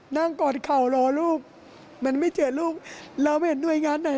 นั่งก่อนเขารอลูกผมไม่เจอลูกเราไม่เห็นหน่วยงานไหน